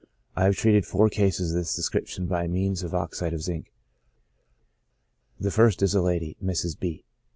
I have treated four cases of this description by means of oxide of zinc. The first is a lady (Mrs. B —).